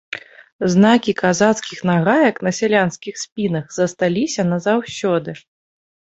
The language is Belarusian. Знакі казацкіх нагаек на сялянскіх спінах засталіся назаўсёды.